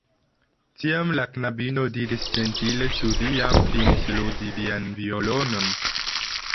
Tiam la knabino diris ĝentile: "Ĉu vi jam finis ludi vian violonon?"